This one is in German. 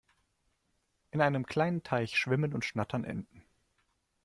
In einem kleinen Teich schwimmen und schnattern Enten.